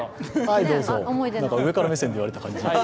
上から目線で言われた感じ。